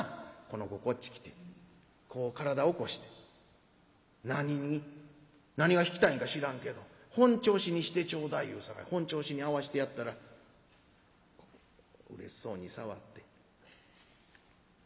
この子こっち来てこう体起こして『何に？』。何が弾きたいんか知らんけど『本調子にしてちょうだい』言うさかい本調子に合わしてやったらこううれしそうに触って」。